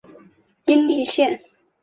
殷栗线